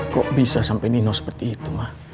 kok bisa sampai nino seperti itu mah